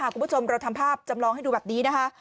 คุณผู้ชมเราทำภาพจำลองให้ดูแบบนี้นะคะ